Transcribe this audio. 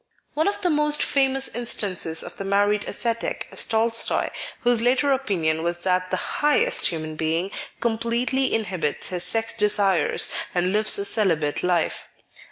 One of the most famous instances of the married ascetic is Tolstoy, whose later opinion was that the highest human being completely inhibits his sex desires and lives a celibate life.